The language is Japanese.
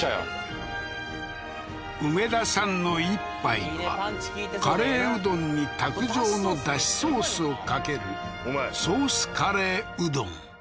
梅田さんの一杯はカレーうどんに卓上のだしソースをかけるソースカレーうどん